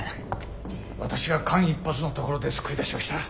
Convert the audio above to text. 私が間一髪のところで救い出しました。